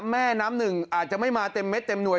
แม่น้ำหนึ่งอาจจะไม่มาเต็มเม็ดเต็มหน่วย